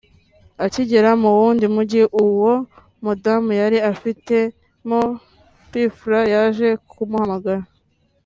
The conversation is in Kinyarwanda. akigera mu w’undi mujyi uwo mudamu yari atuyemo P Fla yaje kumuhamagara